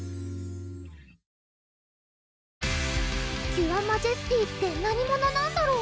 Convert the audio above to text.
キュアマジェスティって何者なんだろう？